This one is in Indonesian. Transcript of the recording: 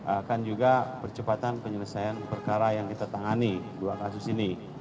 akan juga percepatan penyelesaian perkara yang kita tangani dua kasus ini